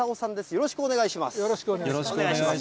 よろしくお願いします。